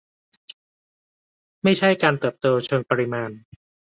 ไม่ใช่การเติบโตเชิงปริมาณ